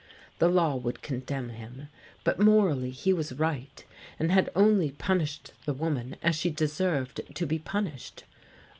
The law would condemn him, but morally he was right, and had only punished the woman as she deserved to be punished.